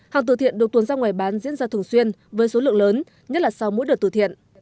hàng từ thiện được tuần ra ngoài bán diễn ra thường xuyên với số lượng lớn nhất là sau mỗi đợt từ thiện